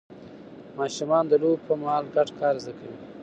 ماشومان د لوبو پر مهال ګډ کار زده کوي